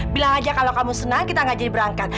bilang aja kalau kamu senang kita gak jadi berangkat